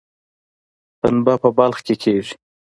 پنبه په بلخ کې کیږي